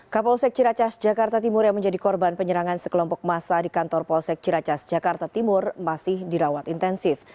kapolsek ciracas jakarta timur yang menjadi korban penyerangan sekelompok massa di kantor polsek ciracas jakarta timur masih dirawat intensif